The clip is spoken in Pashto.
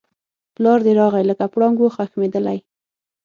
پلار دی راغی لکه پړانګ وو خښمېدلی